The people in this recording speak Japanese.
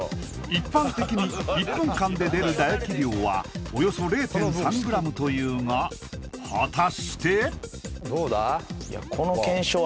一般的に１分間で出る唾液量はおよそ０．３ｇというが果たしてどうだ？